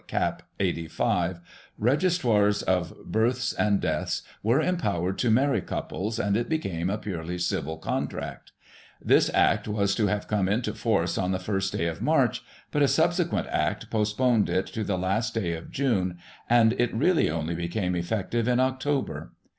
cap. 85, Registrars of births and deaths were empowered to marry couples, and it became a purely civil contract This Act was to have come into force on the first day of March ; but a subsequent Act postponed it to the last day of June, and it really only became effective in October.